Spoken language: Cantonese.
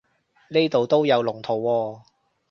呢度都有龍圖喎